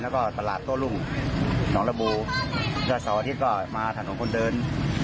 แล้วก็ตลาดโต้ลุงหนองระบูแล้วสวัสดีก็มาถนนคนเดิน